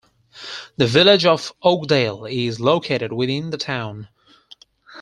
The Village of Oakdale is located within the town.